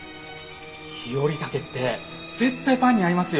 ヒヨリタケって絶対パンに合いますよ！